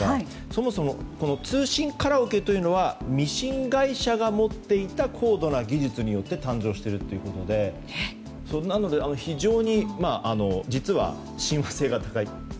そもそも通信カラオケというのはミシン会社が持っていた高度な技術によって誕生しているということで非常に実は、親和性が高いという。